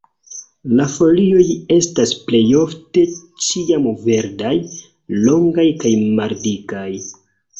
La folioj estas plejofte ĉiamverdaj, longaj kaj maldikaj.